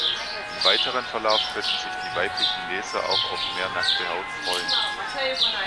Im weiteren Verlauf könnten sich die weiblichen Leser auch auf mehr nackte Haut freuen.